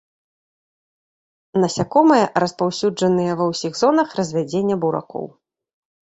Насякомыя распаўсюджаныя ва ўсіх зонах развядзення буракоў.